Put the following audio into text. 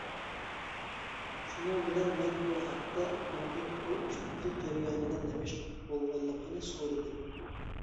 شۇنىڭ بىلەن مەن بۇ ھەپتە ئۇنىڭدىن بۇ ئۈچ يىل جەريانىدا نېمە ئىش بولغانلىقىنى سورىدىم.